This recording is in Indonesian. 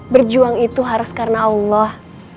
berjuang itu harus karena allah